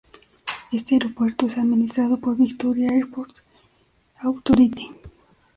Este aeropuerto es administrado por Victoria Airport Authority.